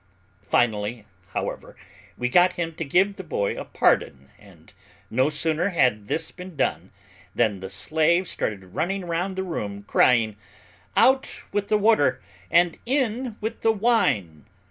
Finally, however, we got him to give the boy a pardon and no sooner had this been done than the slave started running around the room crying, "Out with the water and in with the wine!"